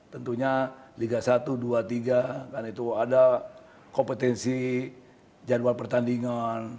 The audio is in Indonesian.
tentunya liga satu dua tiga kan itu ada kompetensi jadwal pertandingan